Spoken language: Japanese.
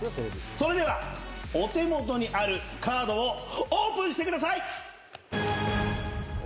それではお手元にあるカードをオープンしてください。